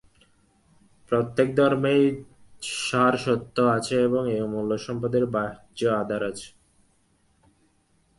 প্রত্যেক ধর্মেই সার সত্য আছে এবং এই অমূল্য সম্পদের একটি বাহ্য আধার আছে।